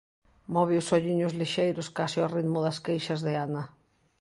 Move os olliños lixeiros case ao ritmo das queixas de Ana.